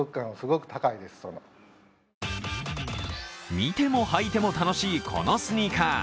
見ても履いても楽しい、このスニーカー。